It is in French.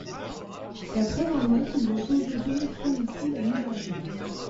La preuve en est qu'ils ont osé pénétrer ici la nuit dernière.